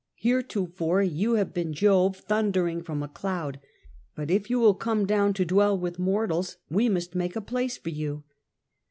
Heretofore you have been Jove thundering from a cloud, but if you will come down to dwell with mortals we must make a place for you."